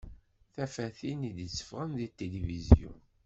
Tafatin d-itteffɣen si tilifizyu.